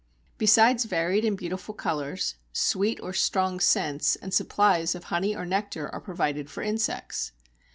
Besides varied and beautiful colours, sweet or strong scents and supplies of honey or nectar are provided for insects.